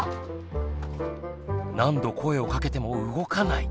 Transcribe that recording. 何度声をかけても動かない。